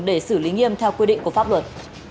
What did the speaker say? để xử lý nghiêm theo quy định của pháp luật